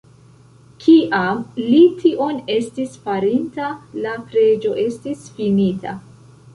Kiam li tion estis farinta, la preĝo estis finita.